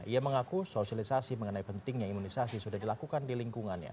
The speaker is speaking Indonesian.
ia mengaku sosialisasi mengenai pentingnya imunisasi sudah dilakukan di lingkungannya